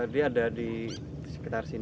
dia ada di sekitar sini